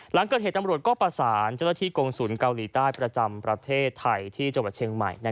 หลังเกิดเหตุตำรวจก็ประสานเจ้าหน้าที่กงศูนย์เกาหลีใต้ประจำประเทศไทยที่จังหวัดเชียงใหม่